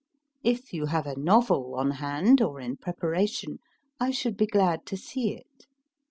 If you have a novel on hand, or in preparation, I should be glad to see it.